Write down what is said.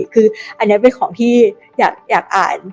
คืออันนี้เป็นของที่อยากอ่าน